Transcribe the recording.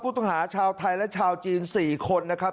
ผู้ต้องหาชาวไทยและชาวจีนสี่คนนะครับ